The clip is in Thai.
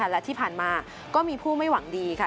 และที่ผ่านมาก็มีผู้ไม่หวังดีค่ะ